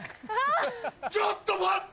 ちょっと待って！